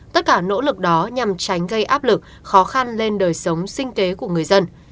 tất cả nỗ lực đó nhằm tránh gây áp lực khó khăn lên đời sống sinh kế của người dân